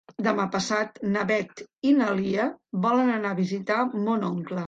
Demà passat na Beth i na Lia volen anar a visitar mon oncle.